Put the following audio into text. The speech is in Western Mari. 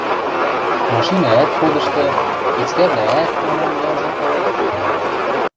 машинӓӓт ходышты, пецкӓвлӓӓт, манам, яжо ылыт...